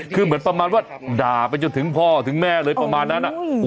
คือเหมือนประมาณว่าด่าไปจนถึงพ่อถึงแม่เลยประมาณนั้น